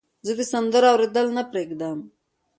زه د سندرو اوریدل نه پرېږدم.